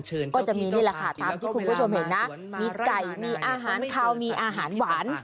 ก็จะมีนี่แหละค่ะตามที่คุณผู้ชมเห็นนะมีไก่มีอาหารคาวมีอาหารหวาน